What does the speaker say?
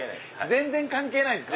全然関係ないです。